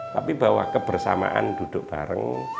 tapi bahwa kebersamaan duduk bareng